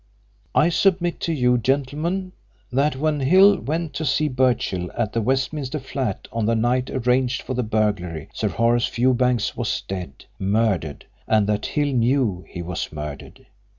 I submit to you, gentlemen, that when Hill went to see Birchill at the Westminster flat on the night arranged for the burglary Sir Horace Fewbanks was dead murdered and that Hill knew he was murdered.